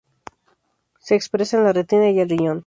Se expresa en la retina y el riñón.